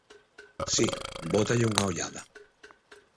Si, bótalle unha ollada.